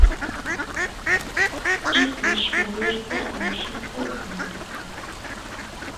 ئىت مۈشۈكنى بۇيرۇسا، مۈشۈك قويرۇقىنى بۇيرۇپتۇ.